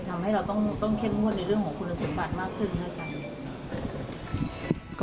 ทำให้เราต้องเข้มพวนในเรื่องของคุณสุภาษณ์มากขึ้น